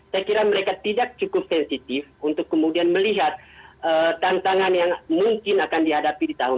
saya kira mereka tidak cukup sensitif untuk kemudian melihat tantangan yang mungkin akan dihadapi di tahun dua ribu dua puluh